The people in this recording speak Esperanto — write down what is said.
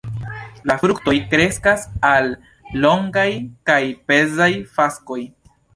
La fruktoj kreskas al longaj kaj pezaj faskoj.